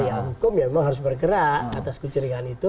ya hukum ya memang harus bergerak atas kecurigaan itu